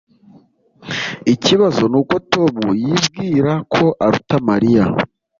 Ikibazo nuko Tom yibwira ko aruta Mariya.